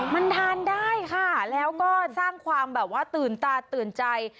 มันทานได้ค่ะแล้วก็สร้างความแบบว่าตื่นตาตื่นใจ